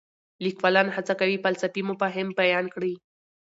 لیکوالان هڅه کوي فلسفي مفاهیم بیان کړي.